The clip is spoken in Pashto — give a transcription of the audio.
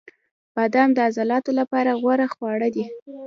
• بادام د عضلاتو لپاره غوره خواړه دي.